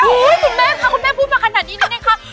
อุ๊ยคุณแม่ค่ะคุณแม่พูดมาขนาดนี้นิดนึงค่ะ